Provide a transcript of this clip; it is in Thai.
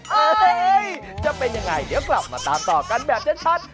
เฮ้ยจะเป็นยังไงเดี๋ยวกลับมาตามต่อกันแบบชัด